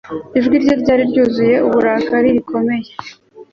Ijwi rye ryari ryuzuye uburakari rikomeye